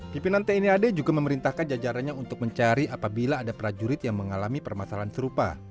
pimpinan tni ad juga memerintahkan jajarannya untuk mencari apabila ada prajurit yang mengalami permasalahan serupa